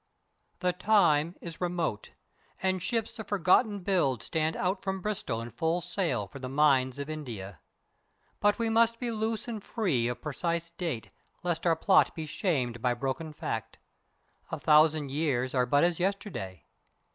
_ _The time is remote, and ships of forgotten build stand out from Bristol in full sail for the mines of India. But we must be loose and free of precise date lest our plot be shamed by broken fact. A thousand years are but as yesterday.